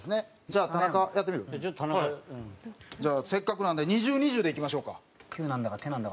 せっかくなんで２０２０でいきましょうか。